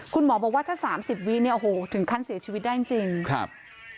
คุณหมอบอกว่าถ้าสามสิบวิเนี่ยโอ้โหถึงขั้นเสียชีวิตได้จริงจริงครับ